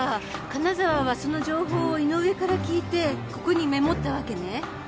金澤はその情報を井上から聞いてここにメモったわけね。